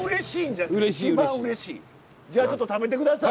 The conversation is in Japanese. じゃあちょっと食べて下さい。